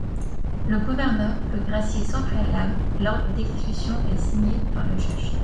Le gouverneur peut gracier sans préalable, l'ordre d'exécution est signé par le juge.